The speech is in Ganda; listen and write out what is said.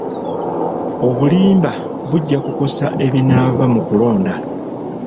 Obulimba bujja kukosa ebinaava mu kulonda.